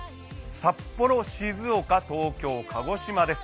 札幌、静岡、東京、鹿児島です。